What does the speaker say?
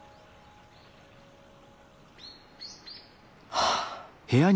はあ。